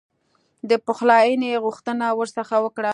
د پخلایني غوښتنه ورڅخه وکړه.